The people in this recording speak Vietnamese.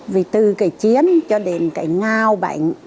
vì từ cái chiến cho đến cái ngao bánh